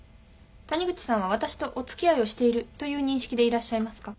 谷口さんは私とお付き合いをしているという認識でいらっしゃいますか？